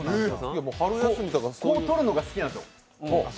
こう取るのが好きなんですよ。